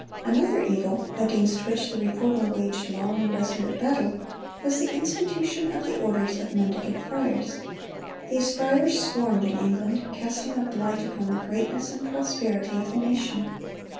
Another evil against which the Reformer waged long and resolute battle, was the institution of the orders of mendicant friars. These friars swarmed in England, casting a blight upon the greatness and prosperity of the nation.